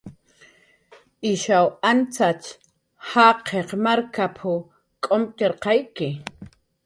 "Ishaw antzatx jaqiq markap"" k'umtxarqayki"